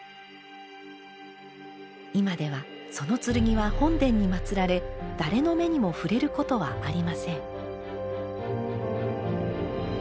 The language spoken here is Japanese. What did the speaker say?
今ではその剣は本殿にまつられ誰の目にも触れることはありません。